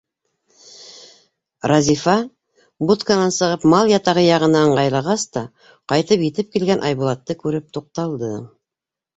Разифа, будканан сығып мал ятағы яғына ыңғайлағас та, ҡайтып етеп килгән Айбулатты күреп туҡталды.